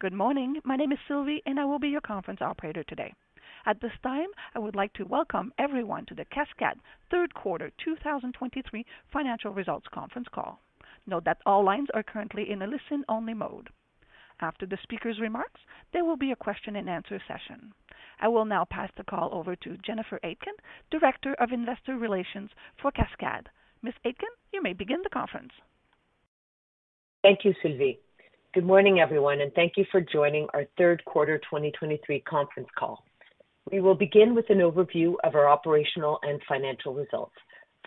Good morning. My name is Sylvie, and I will be your conference operator today. At this time, I would like to welcome everyone to the Cascades third quarter 2023 financial results conference call. Note that all lines are currently in a listen-only mode. After the speaker's remarks, there will be a question-and-answer session. I will now pass the call over to Jennifer Aitken, Director of Investor Relations for Cascades. Ms. Aitken, you may begin the conference. Thank you, Sylvie. Good morning, everyone, and thank you for joining our third quarter 2023 conference call. We will begin with an overview of our operational and financial results,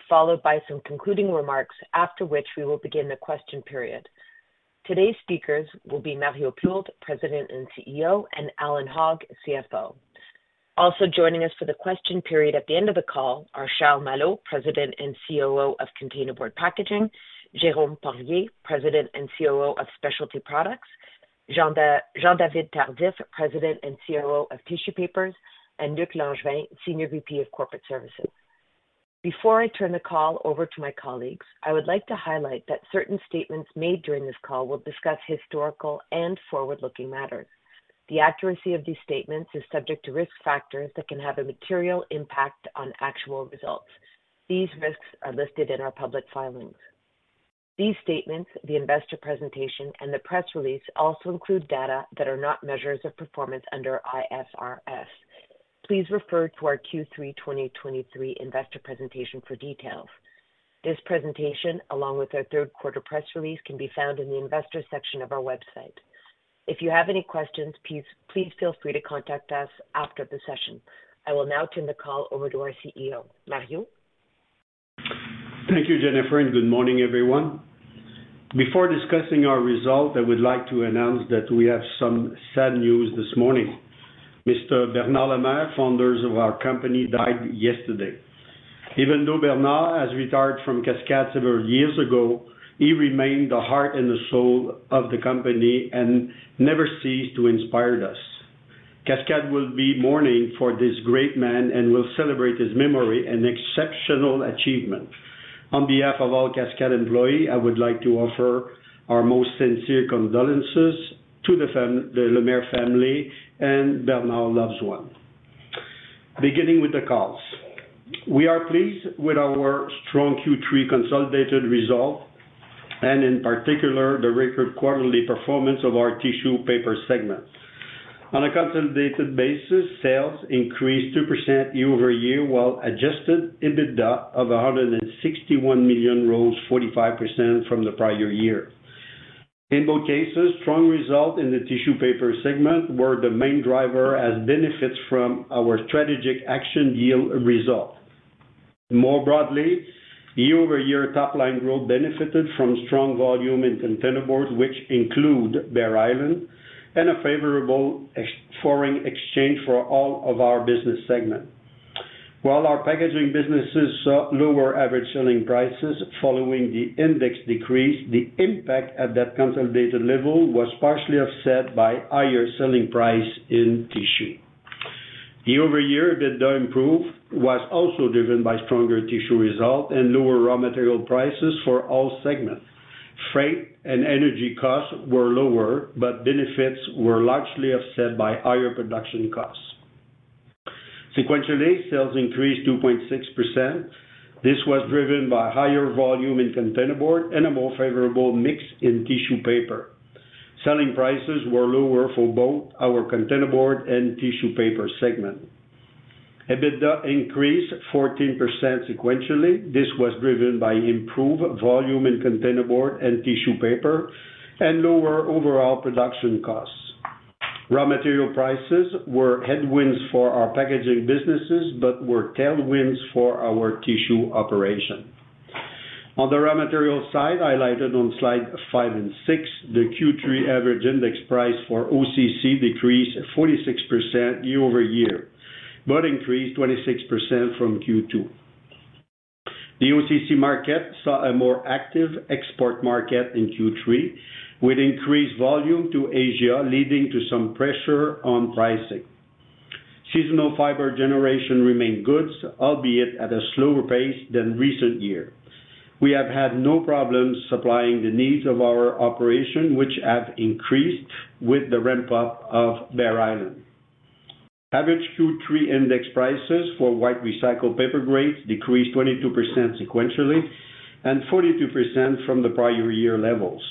followed by some concluding remarks, after which we will begin the question period. Today's speakers will be Mario Plourde, President and CEO, and Allan Hogg, CFO. Also joining us for the question period at the end of the call are Charles Malo, President and COO of Containerboard Packaging, Jérôme Porlier, President and COO of Specialty Products, Jean-David Tardif, President and COO of Tissue, and Luc Langevin, Senior VP of Corporate Services. Before I turn the call over to my colleagues, I would like to highlight that certain statements made during this call will discuss historical and forward-looking matters. The accuracy of these statements is subject to risk factors that can have a material impact on actual results. These risks are listed in our public filings. These statements, the investor presentation, and the press release also include data that are not measures of performance under IFRS. Please refer to our Q3 2023 investor presentation for details. This presentation, along with our third quarter press release, can be found in the Investors section of our website. If you have any questions, please, please feel free to contact us after the session. I will now turn the call over to our CEO. Mario? Thank you, Jennifer, and good morning, everyone. Before discussing our results, I would like to announce that we have some sad news this morning. Mr. Bernard Lemaire, founder of our company, died yesterday. Even though Bernard has retired from Cascades several years ago, he remained the heart and the soul of the company and never ceased to inspire us. Cascades will be mourning for this great man and will celebrate his memory and exceptional achievement. On behalf of all Cascades employee, I would like to offer our most sincere condolences to the Lemaire family and Bernard loved one. Beginning with the calls. We are pleased with our strong Q3 consolidated result, and in particular, the record quarterly performance of our tissue paper segment. On a consolidated basis, sales increased 2% year-over-year, while adjusted EBITDA of 161 million rose 45% from the prior year. In both cases, strong results in the tissue paper segment were the main driver as benefits from our strategic action yield result. More broadly, year-over-year top-line growth benefited from strong volume in containerboard, which include Bear Island, and a favorable ex-foreign exchange for all of our business segments. While our packaging businesses saw lower average selling prices following the index decrease, the impact at that consolidated level was partially offset by higher selling price in tissue. Year-over-year, EBITDA improve was also driven by stronger tissue results and lower raw material prices for all segments. Freight and energy costs were lower, but benefits were largely offset by higher production costs. Sequentially, sales increased 2.6%. This was driven by higher volume in containerboard and a more favorable mix in tissue paper. Selling prices were lower for both our containerboard and tissue paper segment. EBITDA increased 14% sequentially. This was driven by improved volume in containerboard and tissue paper and lower overall production costs. Raw material prices were headwinds for our packaging businesses, but were tailwinds for our tissue operation. On the raw material side, highlighted on slide 5 and 6, the Q3 average index price for OCC decreased 46% year-over-year, but increased 26% from Q2. The OCC market saw a more active export market in Q3, with increased volume to Asia, leading to some pressure on pricing. Seasonal fiber generation remained good, albeit at a slower pace than recent year. We have had no problems supplying the needs of our operation, which have increased with the ramp-up of Bear Island. Average Q3 index prices for white recycled paper grades decreased 22% sequentially and 42% from the prior year levels.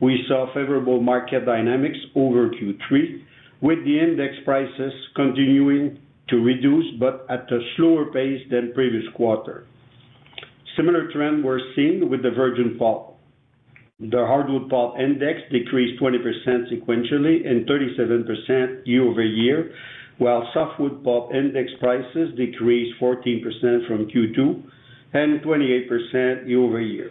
We saw favorable market dynamics over Q3, with the index prices continuing to reduce, but at a slower pace than previous quarter. Similar trends were seen with the virgin pulp. The hardwood pulp index decreased 20% sequentially and 37% year-over-year, while softwood pulp index prices decreased 14% from Q2 and 28% year-over-year.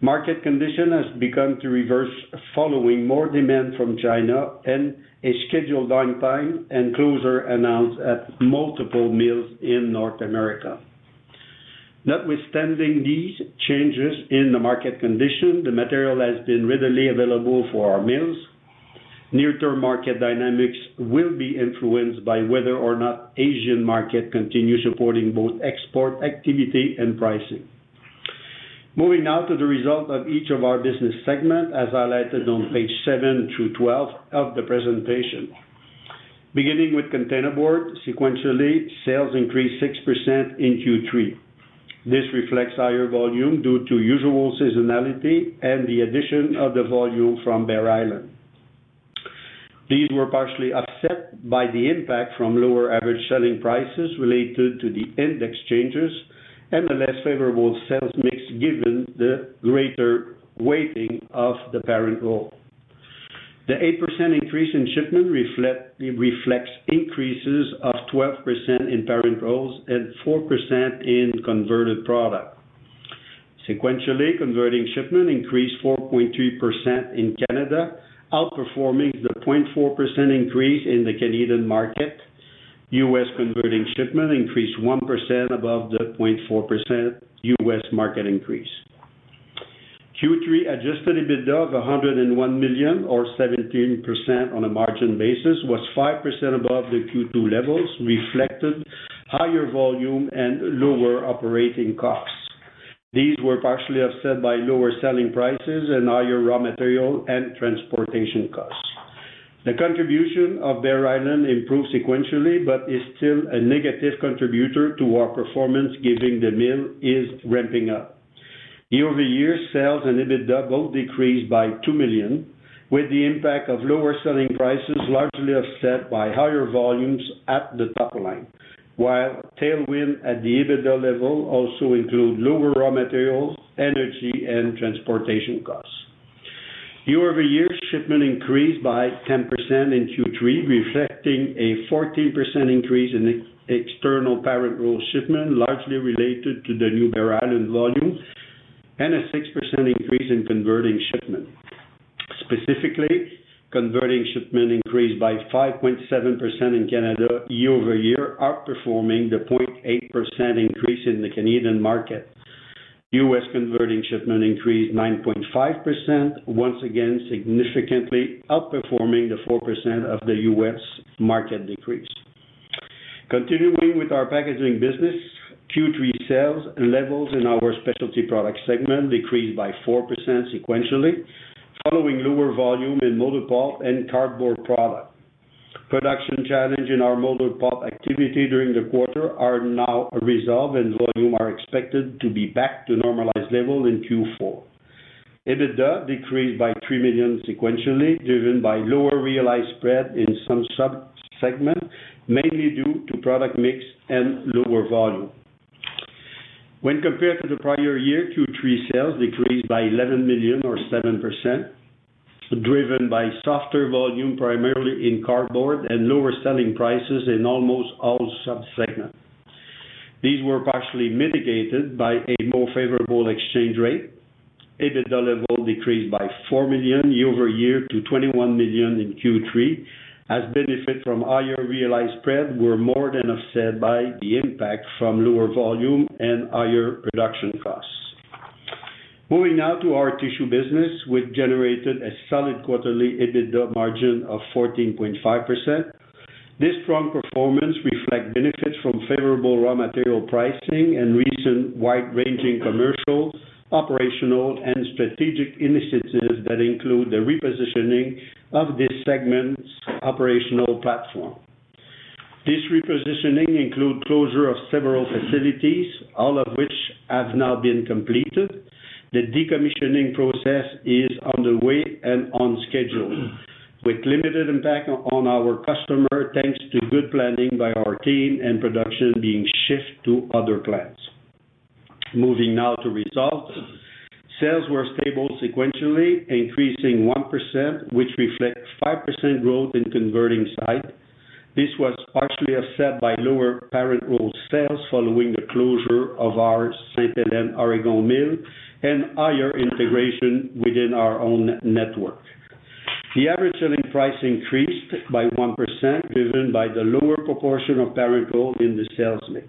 Market condition has begun to reverse, following more demand from China and a scheduled downtime and closure announced at multiple mills in North America. Notwithstanding these changes in the market condition, the material has been readily available for our mills. Near-term market dynamics will be influenced by whether or not Asian market continue supporting both export activity and pricing. Moving now to the result of each of our business segment, as highlighted on page 7 through 12 of the presentation. Beginning with containerboard, sequentially, sales increased 6% in Q3. This reflects higher volume due to usual seasonality and the addition of the volume from Bear Island. These were partially offset by the impact from lower average selling prices related to the index changes and the less favorable sales mix, given the greater weighting of the parent roll. The 8% increase in shipment reflects increases of 12% in parent rolls and 4% in converted product. Sequentially, converting shipment increased 4.2% in Canada, outperforming the 0.4% increase in the Canadian market. US converting shipment increased 1% above the 0.4% US market increase. Q3 adjusted EBITDA of 101 million, or 17% on a margin basis, was 5% above the Q2 levels, reflected higher volume and lower operating costs. These were partially offset by lower selling prices and higher raw material and transportation costs. The contribution of Bear Island improved sequentially, but is still a negative contributor to our performance, giving the mill is ramping up. Year-over-year, sales and EBITDA both decreased by 2 million, with the impact of lower selling prices largely offset by higher volumes at the top line, while tailwind at the EBITDA level also include lower raw materials, energy, and transportation costs. Year-over-year, shipment increased by 10% in Q3, reflecting a 14% increase in external parent roll shipment, largely related to the new Bear Island volume, and a 6% increase in converting shipment. Specifically, converting shipment increased by 5.7% in Canada, year-over-year, outperforming the 0.8% increase in the Canadian market. U.S. converting shipment increased 9.5%, once again, significantly outperforming the 4% decrease of the U.S. market. Continuing with our packaging business, Q3 sales volumes in our specialty products segment decreased by 4% sequentially, following lower volume in molded pulp and cardboard products. Production challenges in our molded pulp activity during the quarter are now resolved, and volumes are expected to be back to normalized levels in Q4. EBITDA decreased by 3 million sequentially, driven by lower realized spread in some sub-segment, mainly due to product mix and lower volume. When compared to the prior year, Q3 sales decreased by 11 million, or 7%, driven by softer volume, primarily in cardboard and lower selling prices in almost all sub-segments. These were partially mitigated by a more favorable exchange rate. EBITDA level decreased by 4 million year-over-year to 21 million in Q3, as benefit from higher realized spread were more than offset by the impact from lower volume and higher production costs. Moving now to our tissue business, which generated a solid quarterly EBITDA margin of 14.5%. This strong performance reflect benefits from favorable raw material pricing and recent wide-ranging commercial, operational, and strategic initiatives that include the repositioning of this segment's operational platform. This repositioning include closure of several facilities, all of which have now been completed. The decommissioning process is underway and on schedule, with limited impact on our customer, thanks to good planning by our team and production being shipped to other clients. Moving now to results. Sales were stable sequentially, increasing 1%, which reflects 5% growth in converting side. This was partially offset by lower parent roll sales following the closure of our St. Helens, Oregon mill and higher integration within our own network. The average selling price increased by 1%, driven by the lower proportion of parent roll in the sales mix.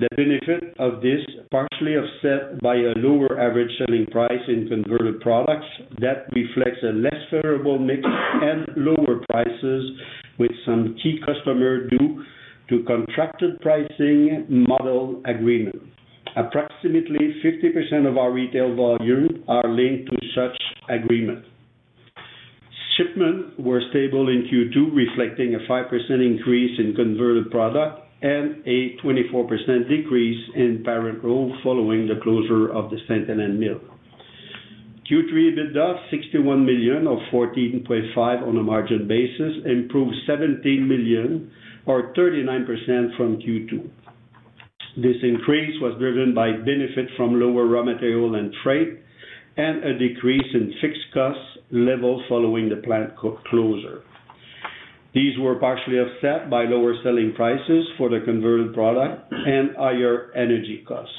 The benefit of this partially offset by a lower average selling price in converted products that reflects a less favorable mix and lower prices with some key customer, due to contracted pricing model agreement. Approximately 50% of our retail volume are linked to such agreement. Shipments were stable in Q2, reflecting a 5% increase in converted product and a 24% decrease in parent roll, following the closure of the St. Helens mill. Q3 EBITDA, 61 million or 14.5% on a margin basis, improved 17 million or 39% from Q2. This increase was driven by benefit from lower raw material and freight, and a decrease in fixed cost level following the plant closure. These were partially offset by lower selling prices for the converted product and higher energy costs.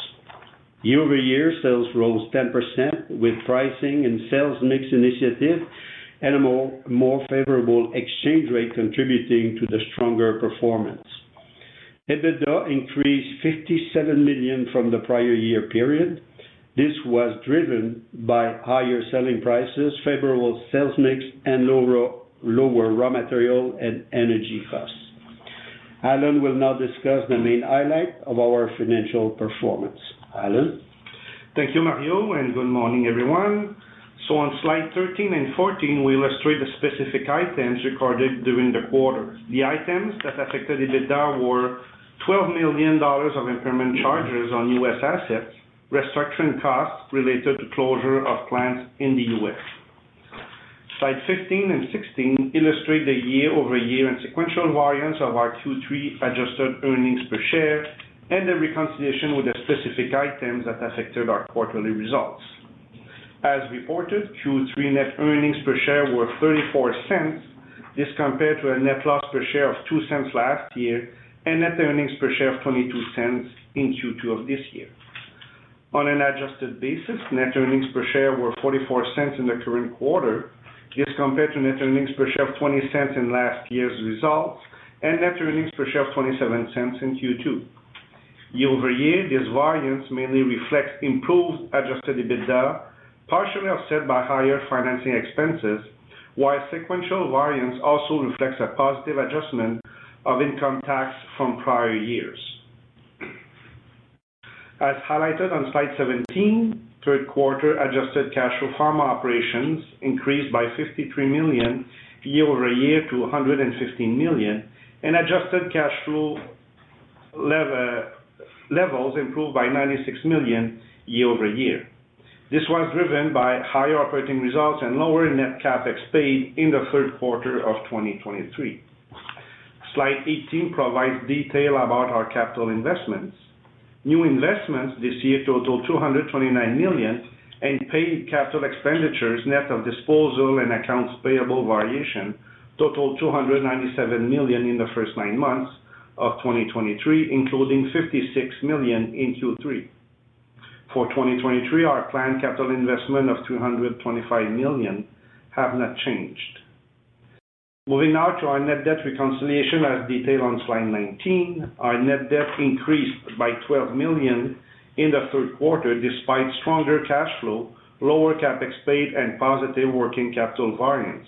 Year-over-year, sales rose 10%, with pricing and sales mix initiative and a more favorable exchange rate contributing to the stronger performance. EBITDA increased 57 million from the prior year period. This was driven by higher selling prices, favorable sales mix, and lower raw material and energy costs.... Allan will now discuss the main highlight of our financial performance. Allan? Thank you, Mario, and good morning, everyone. On slide 13 and 14, we illustrate the specific items recorded during the quarter. The items that affected EBITDA were 12 million dollars of impairment charges on U.S. assets, restructuring costs related to closure of plants in the U.S. Slide 15 and 16 illustrate the year-over-year and sequential variance of our Q3 adjusted earnings per share, and the reconciliation with the specific items that affected our quarterly results. As reported, Q3 net earnings per share were 0.34. This compared to a net loss per share of 0.02 last year, and net earnings per share of 0.22 in Q2 of this year. On an adjusted basis, net earnings per share were 0.44 in the current quarter, this compared to net earnings per share of 0.20 in last year's results, and net earnings per share of 0.27 in Q2. Year-over-year, this variance mainly reflects improved adjusted EBITDA, partially offset by higher financing expenses, while sequential variance also reflects a positive adjustment of income tax from prior years. As highlighted on slide 17, third quarter adjusted cash flow from operations increased by 53 million year-over-year to 115 million, and adjusted cash flow levels improved by 96 million year-over-year. This was driven by higher operating results and lower net CapEx paid in the third quarter of 2023. Slide 18 provides detail about our capital investments. New investments this year totaled 229 million, and paid capital expenditures, net of disposal and accounts payable variation, totaled 297 million in the first nine months of 2023, including 56 million in Q3. For 2023, our planned capital investment of 225 million have not changed. Moving now to our net debt reconciliation, as detailed on slide 19. Our net debt increased by 12 million in the third quarter, despite stronger cash flow, lower CapEx paid, and positive working capital variance.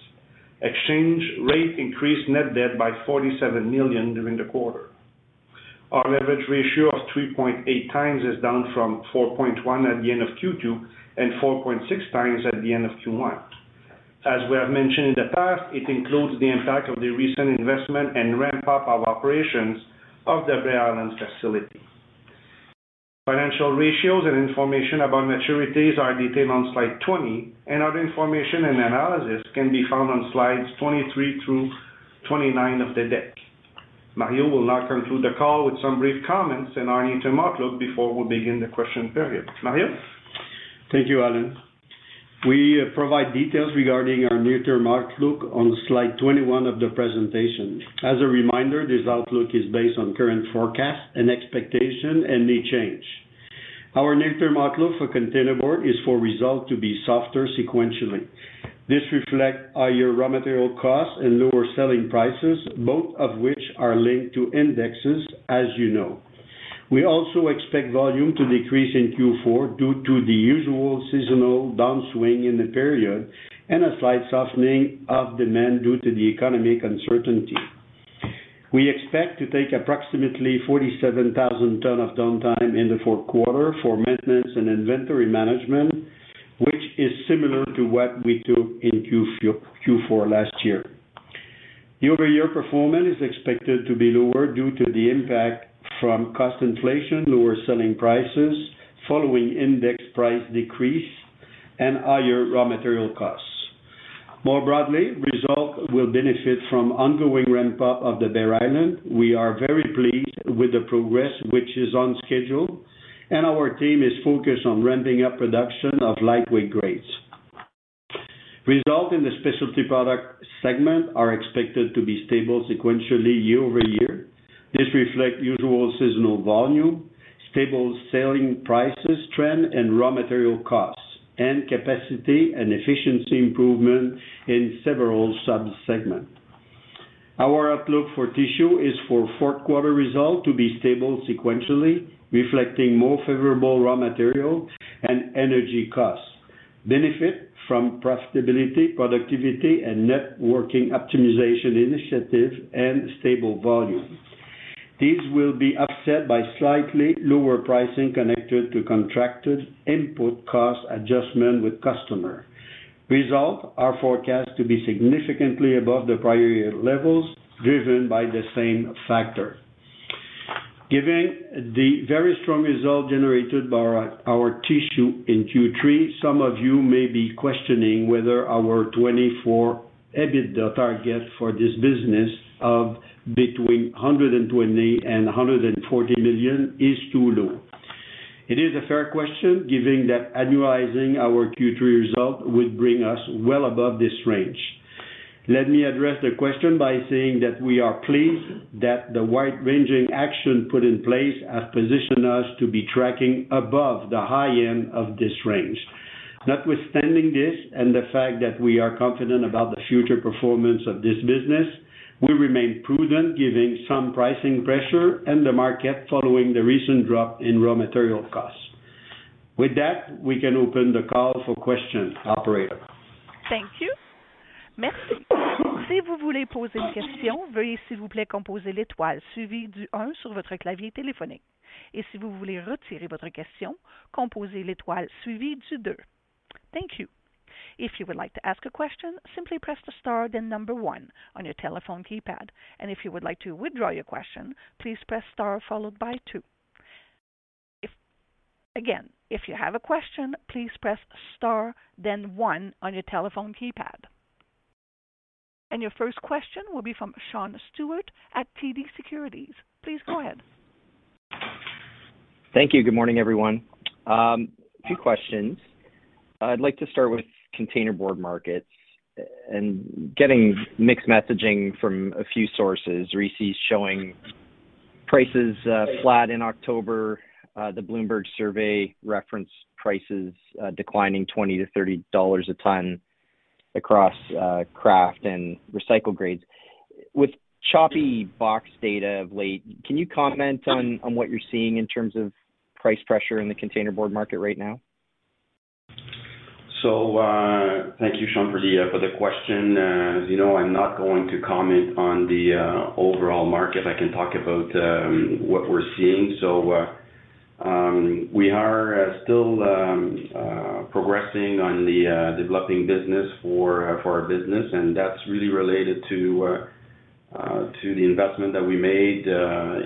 Exchange rate increased net debt by 47 million during the quarter. Our leverage ratio of 3.8 times is down from 4.1 at the end of Q2, and 4.6 times at the end of Q1. As we have mentioned in the past, it includes the impact of the recent investment and ramp up of operations of the Bear Island facility. Financial ratios and information about maturities are detailed on slide 20, and other information and analysis can be found on slides 23 through 29 of the deck. Mario will now conclude the call with some brief comments on our near-term outlook before we begin the question period. Mario? Thank you, Allan. We provide details regarding our near-term outlook on slide 21 of the presentation. As a reminder, this outlook is based on current forecasts and expectation and may change. Our near-term outlook for Containerboard is for result to be softer sequentially. This reflects higher raw material costs and lower selling prices, both of which are linked to indexes, as you know. We also expect volume to decrease in Q4 due to the usual seasonal downswing in the period, and a slight softening of demand due to the economic uncertainty. We expect to take approximately 47,000 tons of downtime in the fourth quarter for maintenance and inventory management, which is similar to what we took in Q4 last year. Year-over-year performance is expected to be lower due to the impact from cost inflation, lower selling prices following index price decrease, and higher raw material costs. More broadly, results will benefit from ongoing ramp-up of the Bear Island. We are very pleased with the progress, which is on schedule, and our team is focused on ramping up production of lightweight grades. Results in the Specialty Products segment are expected to be stable sequentially year-over-year. This reflects usual seasonal volume, stable selling prices trend, and raw material costs, and capacity and efficiency improvement in several sub-segments. Our outlook for tissue is for fourth quarter results to be stable sequentially, reflecting more favorable raw material and energy costs, benefit from profitability, productivity, and networking optimization initiatives, and stable volume. These will be offset by slightly lower pricing connected to contracted input cost adjustment with customer. Results are forecast to be significantly above the prior year levels, driven by the same factor. Given the very strong result generated by our tissue in Q3, some of you may be questioning whether our 2024 EBITDA target for this business of between 120 million and 140 million is too low. It is a fair question, given that annualizing our Q3 result would bring us well above this range. Let me address the question by saying that we are pleased that the wide-ranging action put in place has positioned us to be tracking above the high end of this range. Notwithstanding this, and the fact that we are confident about the future performance of this business, we remain prudent, giving some pricing pressure and the market following the recent drop in raw material costs. ...With that, we can open the call for questions. Operator? Thank you. Merci. Si vous voulez poser une question, veuillez s'il vous plaît composer l'étoile suivi du un sur votre clavier téléphonique. Et si vous voulez retirer votre question, composez l'étoile suivi du deux. Thank you. If you would like to ask a question, simply press the star, then number one on your telephone keypad. And if you would like to withdraw your question, please press star followed by two. If you have a question, please press star, then one on your telephone keypad. And your first question will be from Sean Steuart at TD Securities. Please go ahead. Thank you. Good morning, everyone. A few questions. I'd like to start with containerboard markets and getting mixed messaging from a few sources. RISI showing prices flat in October. The Bloomberg survey referenced prices declining $20-$30 a ton across kraft and recycled grades. With choppy box data of late, can you comment on what you're seeing in terms of price pressure in the containerboard market right now? So, thank you, Sean, for the question. As you know, I'm not going to comment on the overall market. I can talk about what we're seeing. So, we are still progressing on the developing business for our business, and that's really related to the investment that we made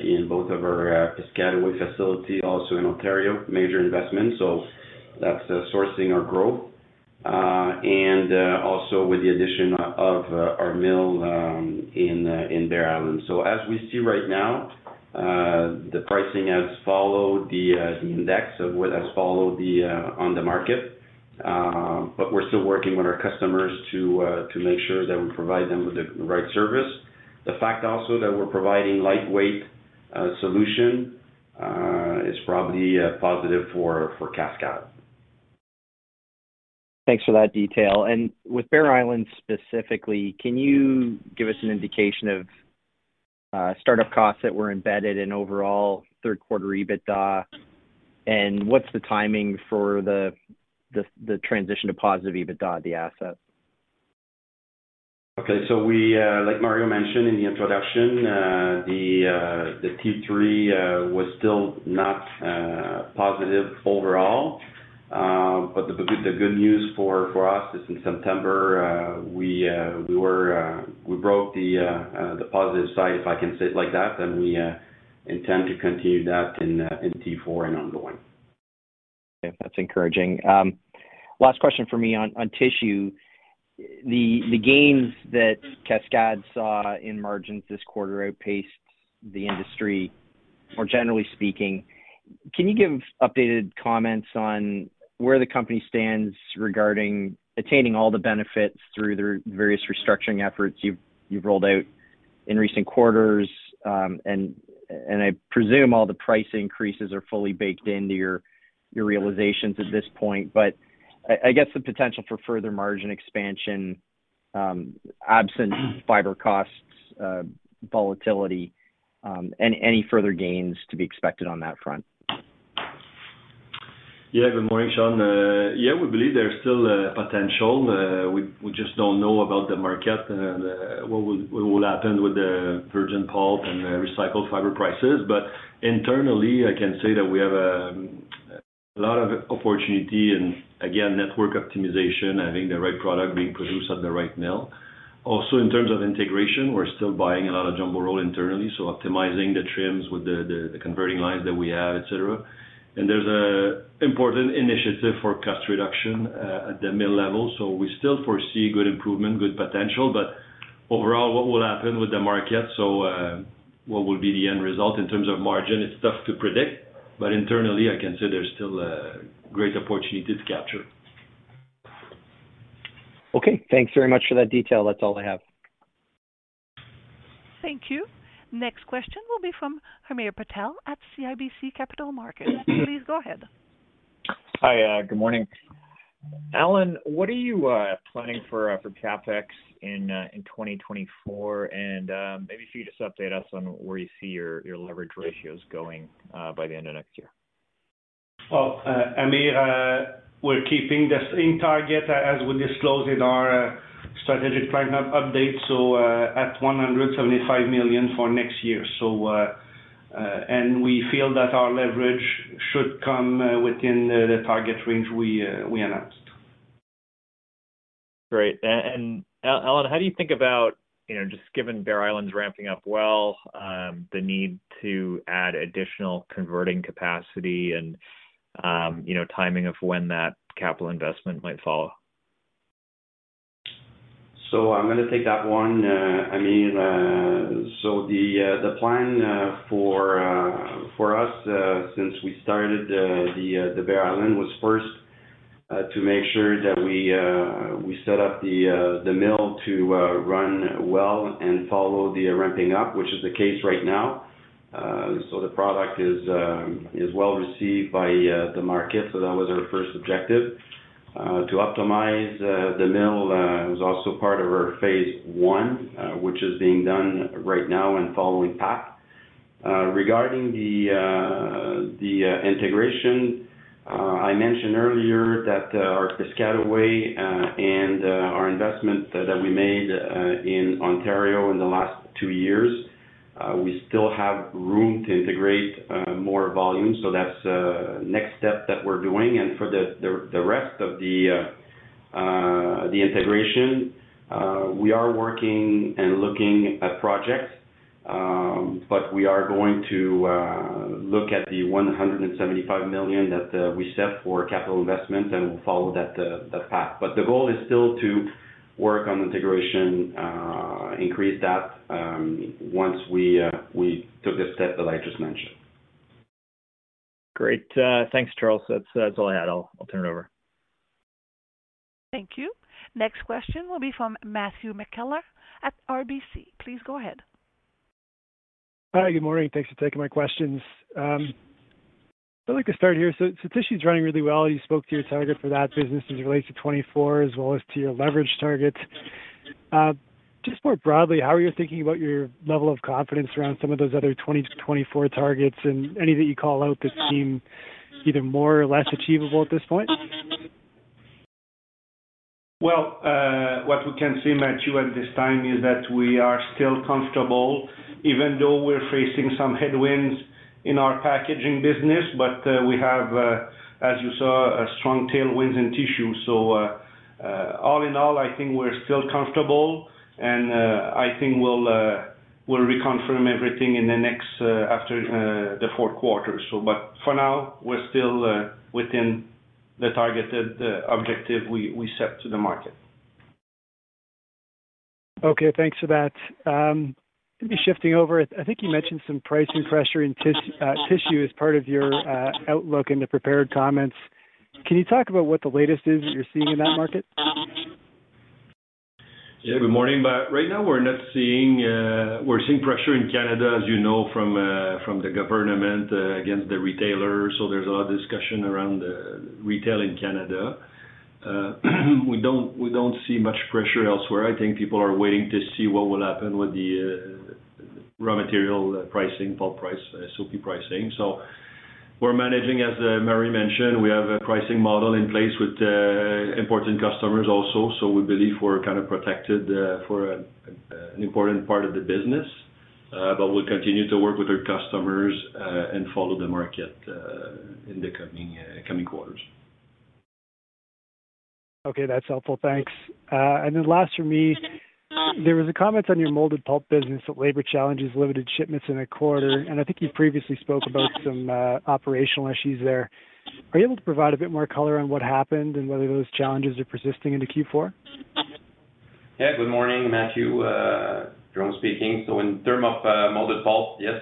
in both of our Piscataway facility, also in Ontario, major investments. So that's sourcing our growth, and also with the addition of our mill in Bear Island. So as we see right now, the pricing has followed the index of what has followed on the market. But we're still working with our customers to make sure that we provide them with the right service. The fact also that we're providing lightweight solution is probably positive for Cascades. Thanks for that detail. With Bear Island specifically, can you give us an indication of startup costs that were embedded in overall third quarter EBITDA? What's the timing for the transition to positive EBITDA of the asset? Okay, so we, like Mario mentioned in the introduction, the T3 was still not positive overall. But the good news for us is in September, we broke the positive side, if I can say it like that, and we intend to continue that in T4 and ongoing. That's encouraging. Last question for me on tissue. The gains that Cascades saw in margins this quarter outpaced the industry, more generally speaking. Can you give updated comments on where the company stands regarding attaining all the benefits through the various restructuring efforts you've rolled out in recent quarters? And I presume all the price increases are fully baked into your realizations at this point. But I guess the potential for further margin expansion, absent fiber costs, volatility, and any further gains to be expected on that front. Yeah. Good morning, Sean. Yeah, we believe there's still a potential. We just don't know about the market and what would happen with the virgin pulp and recycled fiber prices. But internally, I can say that we have a lot of opportunity and again, network optimization, having the right product being produced at the right mill. Also, in terms of integration, we're still buying a lot of jumbo roll internally, so optimizing the trims with the converting lines that we have, et cetera. And there's an important initiative for cost reduction at the mill level. So we still foresee good improvement, good potential, but overall, what will happen with the market? So what will be the end result in terms of margin? It's tough to predict, but internally I can say there's still a great opportunity to capture. Okay, thanks very much for that detail. That's all I have. Thank you. Next question will be from Hamir Patel at CIBC Capital Markets. Please go ahead. Hi, good morning. Allan, what are you planning for CapEx in 2024? Maybe if you just update us on where you see your leverage ratios going by the end of next year. Well, Amir, we're keeping the same target as we disclosed in our strategic partner update, so at 175 million for next year. So, and we feel that our leverage should come within the target range we announced. Great. And Allan, how do you think about, you know, just given Bear Island's ramping up well, the need to add additional converting capacity and, you know, timing of when that capital investment might follow? So I'm going to take that one, Amir. So the plan for us since we started the Bear Island was first to make sure that we set up the mill to run well and follow the ramping up, which is the case right now. So the product is well received by the market. So that was our first objective to optimize the mill is also part of our phase one, which is being done right now and following path. Regarding the integration, I mentioned earlier that our Piscataway and our investment that we made in Ontario in the last two years, we still have room to integrate more volume. So that's next step that we're doing. And for the rest of the integration, we are working and looking at projects, but we are going to look at the 175 million that we set for capital investment, and we'll follow that path. But the goal is still to work on integration, increase that, once we took the step that I just mentioned. Great. Thanks, Charles. That's, that's all I had. I'll, I'll turn it over. Thank you. Next question will be from Matthew McKellar at RBC. Please go ahead. Hi, good morning. Thanks for taking my questions. I'd like to start here. So tissue's running really well. You spoke to your target for that business as it relates to 2024, as well as to your leverage targets. Just more broadly, how are you thinking about your level of confidence around some of those other 2020-2024 targets and any that you call out that seem either more or less achievable at this point? Well, what we can say, Matthew, at this time is that we are still comfortable, even though we're facing some headwinds in our packaging business, but we have, as you saw, a strong tailwinds in tissue. So, all in all, I think we're still comfortable, and I think we'll reconfirm everything in the next, after the fourth quarter. So but for now, we're still within the targeted objective we set to the market. Okay, thanks for that. Maybe shifting over, I think you mentioned some pricing pressure in tissue as part of your outlook in the prepared comments. Can you talk about what the latest is that you're seeing in that market? Yeah. Good morning. But right now, we're not seeing... We're seeing pressure in Canada, as you know, from the government against the retailers. So there's a lot of discussion around retail in Canada. We don't see much pressure elsewhere. I think people are waiting to see what will happen with the raw material pricing, pulp price, SOP pricing. So we're managing, as Mario mentioned, we have a pricing model in place with important customers also. So we believe we're kind of protected for an important part of the business, but we'll continue to work with our customers and follow the market in the coming quarters. Okay, that's helpful. Thanks. And then last for me, there was a comment on your molded pulp business, that labor challenges, limited shipments in a quarter, and I think you previously spoke about some, operational issues there. Are you able to provide a bit more color on what happened and whether those challenges are persisting into Q4? Yeah. Good morning, Matthew. Jérôme speaking. So in terms of Molded Pulp, yes,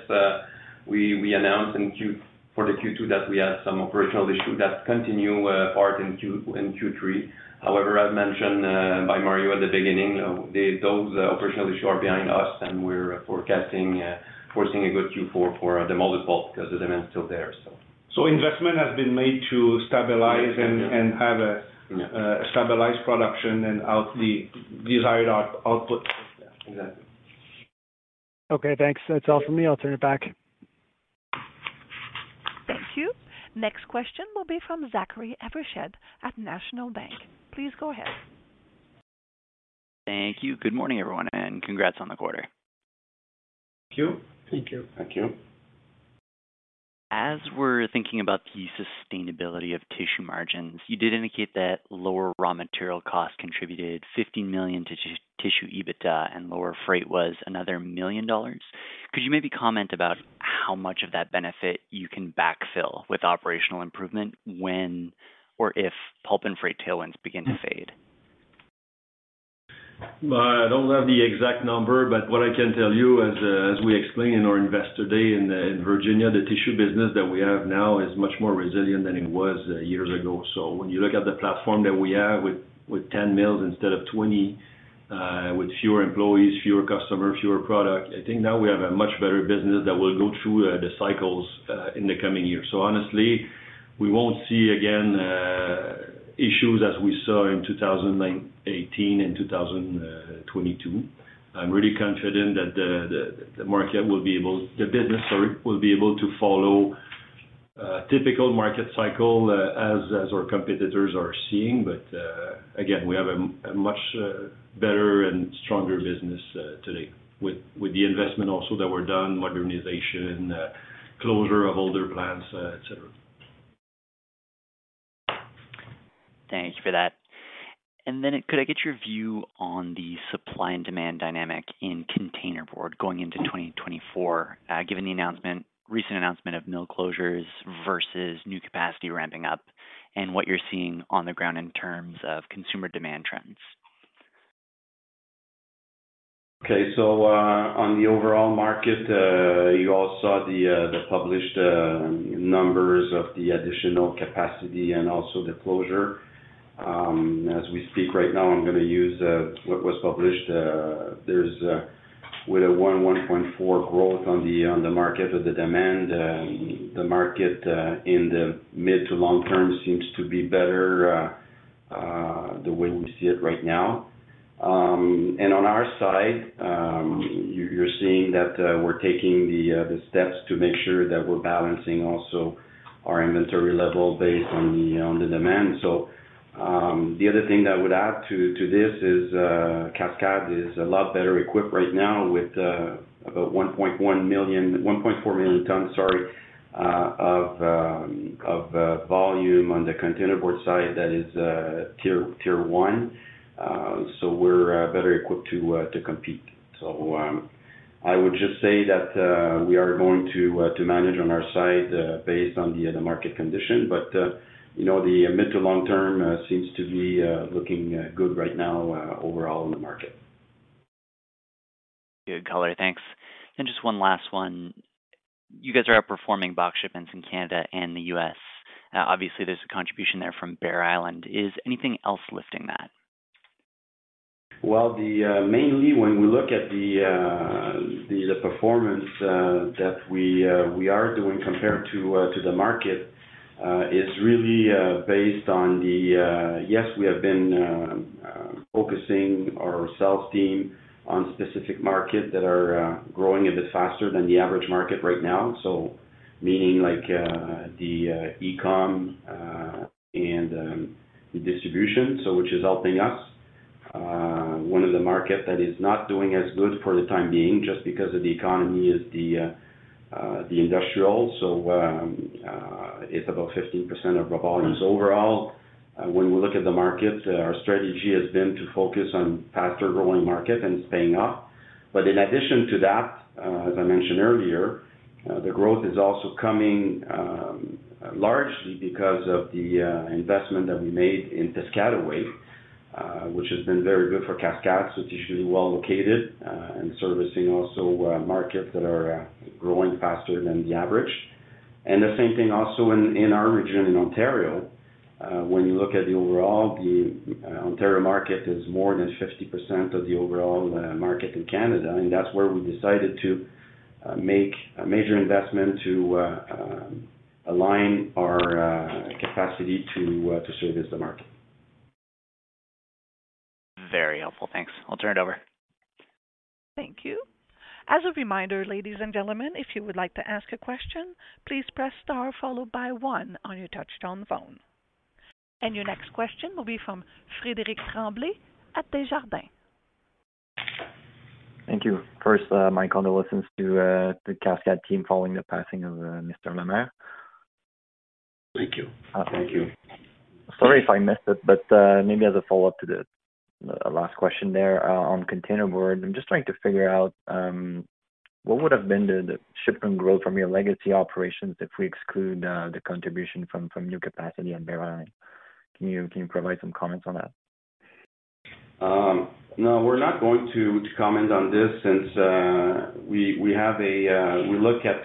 we announced in Q2 that we had some operational issues that continued in part in Q3. However, as mentioned by Mario at the beginning, those operational issues are behind us, and we're forecasting a good Q4 for the Molded Pulp because the demand is still there, so. Investment has been made to stabilize- Yes. - and, and have a- Yeah... a stabilized production and the desired output. Yeah. Exactly. Okay, thanks. That's all for me. I'll turn it back. Thank you. Next question will be from Zachary Evershed at National Bank. Please go ahead. Thank you. Good morning, everyone, and congrats on the quarter. Thank you. Thank you. Thank you. As we're thinking about the sustainability of tissue margins, you did indicate that lower raw material costs contributed 50 million to tissue EBITDA, and lower freight was another 1 million dollars. Could you maybe comment about how much of that benefit you can backfill with operational improvement, when or if pulp and freight tailwinds begin to fade? Well, I don't have the exact number, but what I can tell you, as we explained in our Investor Day in Virginia, the tissue business that we have now is much more resilient than it was years ago. So when you look at the platform that we have with 10 mills instead of 20, with fewer employees, fewer customers, fewer products, I think now we have a much better business that will go through the cycles in the coming years. So honestly, we won't see again issues as we saw in 2009-18 and 2022. I'm really confident that the business will be able to follow typical market cycle as our competitors are seeing. But, again, we have a much better and stronger business today with the investment also that we're done, modernization, closure of older plants, et cetera. Thank you for that. And then could I get your view on the supply and demand dynamic in containerboard going into 2024? Given the recent announcement of mill closures versus new capacity ramping up and what you're seeing on the ground in terms of consumer demand trends. Okay. So, on the overall market, you all saw the published numbers of the additional capacity and also the closure. As we speak right now, I'm gonna use what was published. There's a 1.4 growth on the market of the demand, the market in the mid to long term seems to be better, the way we see it right now.... And on our side, you're seeing that, we're taking the steps to make sure that we're balancing also our inventory level based on the demand. So, the other thing that I would add to this is, Cascades is a lot better equipped right now with about 1.1 million, sorry, 1.4 million tons of volume on the Containerboard side, that is tier one. So we're better equipped to compete. So, I would just say that we are going to manage on our side based on the market condition. But you know, the mid- to long-term seems to be looking good right now overall in the market. Good color. Thanks. And just one last one. You guys are outperforming box shipments in Canada and the U.S. Obviously, there's a contribution there from Bear Island. Is anything else lifting that? Well, mainly, when we look at the performance that we are doing compared to the market, it's really based on the... Yes, we have been focusing our sales team on specific market that are growing a bit faster than the average market right now. So meaning like, the e-com and the distribution, so which is helping us. One of the market that is not doing as good for the time being, just because of the economy, is the industrial. So, it's about 15% of the volumes overall. When we look at the market, our strategy has been to focus on faster-growing market, and it's paying off. But in addition to that, as I mentioned earlier, the growth is also coming largely because of the investment that we made in Piscataway, which has been very good for Cascades. It's usually well located and servicing also markets that are growing faster than the average. And the same thing also in our region, in Ontario. When you look at the overall, the Ontario market is more than 50% of the overall market in Canada, and that's where we decided to make a major investment to align our capacity to service the market. Very helpful. Thanks. I'll turn it over. Thank you. As a reminder, ladies and gentlemen, if you would like to ask a question, please press star followed by one on your touchtone phone. Your next question will be from Frédéric Tremblay at Desjardins. Thank you. First, my condolences to the Cascades team following the passing of Mr. Lemaire. Thank you. Thank you. Sorry if I missed it, but, maybe as a follow-up to the last question there, on containerboard, I'm just trying to figure out, what would have been the shipment growth from your legacy operations if we exclude, the contribution from new capacity on Bear Island? Can you provide some comments on that? No, we're not going to comment on this since we look at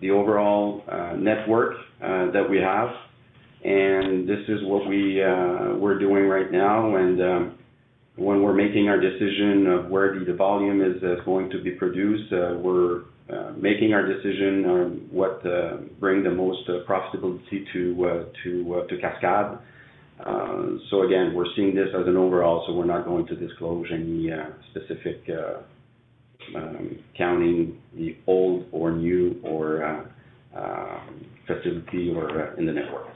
the overall network that we have, and this is what we're doing right now. When we're making our decision of where the volume is going to be produced, we're making our decision on what bring the most profitability to Cascades. So again, we're seeing this as an overall, so we're not going to disclose any specific counting the old or new or facility or in the network.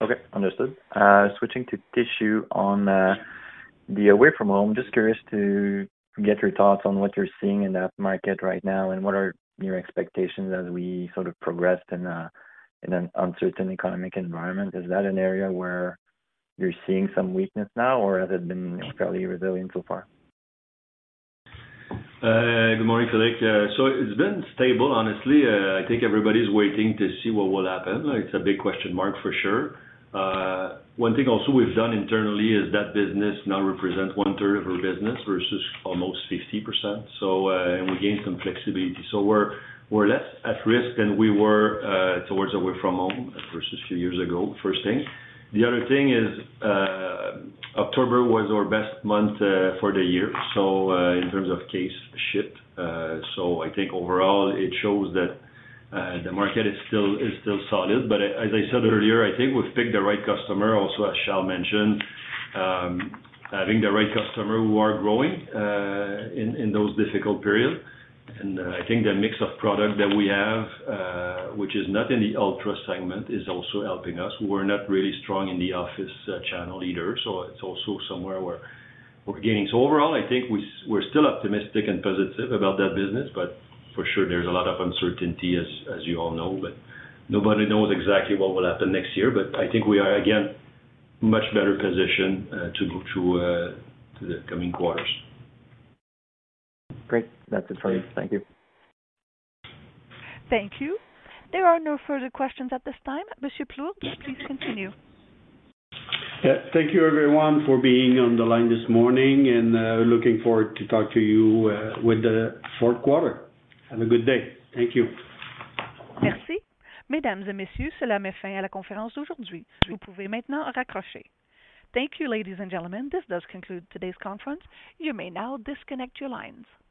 Okay, understood. Switching to tissue on the Away-from-Home, just curious to get your thoughts on what you're seeing in that market right now, and what are your expectations as we sort of progress in an uncertain economic environment. Is that an area where you're seeing some weakness now, or has it been fairly resilient so far? Good morning, Frédéric. So it's been stable, honestly. I think everybody's waiting to see what will happen. It's a big question mark, for sure. One thing also we've done internally is that business now represents one third of our business versus almost 50%, so, and we gained some flexibility. So we're, we're less at risk than we were, towards away from home versus a few years ago, first thing. The other thing is, October was our best month, for the year, so, in terms of case shipped. So I think overall it shows that, the market is still, is still solid. But as I said earlier, I think we've picked the right customer. Also, as Charles mentioned, having the right customer who are growing, in, in those difficult periods. I think the mix of product that we have, which is not in the ultra segment, is also helping us. We're not really strong in the office channel either, so it's also somewhere where we're gaining. So overall, I think we're still optimistic and positive about that business, but for sure, there's a lot of uncertainty, as you all know. But nobody knows exactly what will happen next year, but I think we are, again, much better positioned to go through to the coming quarters. Great. That's it for me. Thank you. Thank you. There are no further questions at this time. Monsieur Plourde, please continue. Yeah. Thank you, everyone, for being on the line this morning, and looking forward to talk to you with the fourth quarter. Have a good day. Thank you. Merci. Thank you, ladies and gentlemen. This does conclude today's conference. You may now disconnect your lines.